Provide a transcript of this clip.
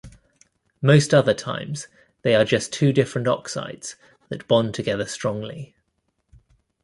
Most other times they are just two different oxides that bond together strongly.